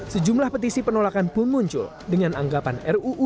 sejumlah petisi penolakan pun muncul dengan anggapan ruu